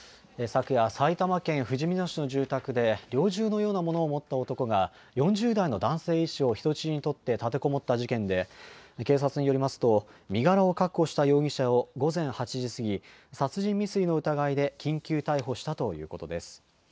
昨夜、埼玉県ふじみ野市の住宅で、猟銃のようなものを持った男が、４０代の男性医師を人質に取って立てこもった事件で、警察によりますと、身柄を確保した容疑者を午前８時過ぎ、殺人未遂の疑いで緊急逮捕したということです。